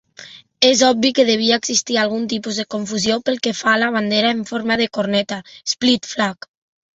És obvi que degué existir algun tipus de confusió pel que fa a la bandera en forma de corneta, "Splitflag".